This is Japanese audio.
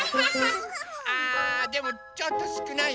あでもちょっとすくないよね。